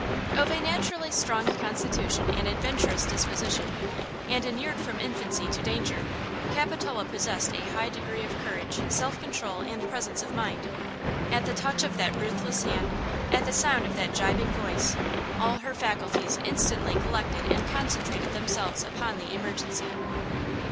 OF a naturally strong constitution and adventurous disposition, and inured from infancy to danger, Capitola possessed a high degree of courage, self control and presence of mind. At the touch of that ruthless hand, at the sound of that gibing voice, all her faculties instantly collected and concentrated themselves upon the emergency.